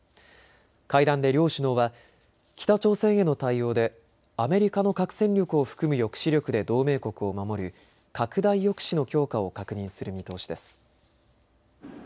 会談で両首脳は北朝鮮への対応でアメリカの核戦力を含む抑止力で同盟国を守る拡大抑止の強化を確認する見通しです。